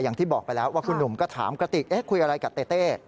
อย่างที่บอกไปแล้วว่าคุณหนุ่มก็ถามกระติกคุยอะไรกับเต้